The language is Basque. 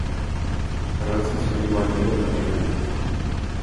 Arrautzen zuringoan ere ugaria da.